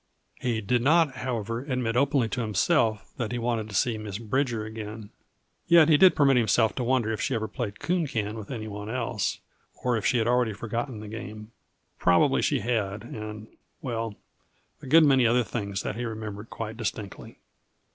He did not, however, admit openly to himself that he wanted to see Miss Bridger again; yet he did permit himself to wonder if she ever played coon can with any one else, or if she had already forgotten the game. Probably she had, and well, a good many other things that he remembered quite distinctly.